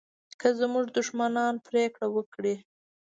که زموږ دښمنان پرېکړه وکړي